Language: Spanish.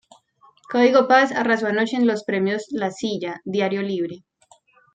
Código Paz arrasó anoche en los Premios La Silla, Diario Libre.